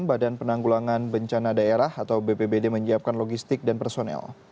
badan penanggulangan bencana daerah atau bpbd menyiapkan logistik dan personel